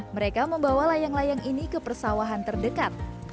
mereka membawa layang layang ini ke persawahan terdekat